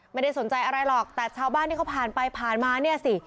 ไม่ได้สนใจอะไรหรอกแต่ชาวบ้านที่เขาผ่านไปผ่านมาเนี่ยสิ